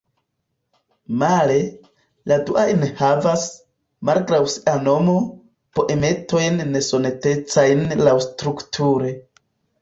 Male, la dua enhavas, malgraŭ sia nomo, poemetojn nesonetecajn laŭstrukture.